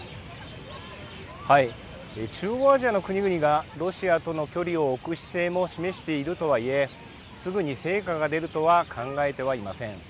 中央アジアの国々がロシアとの距離を置く姿勢も示しているとはいえすぐに成果が出るとは考えてはいません。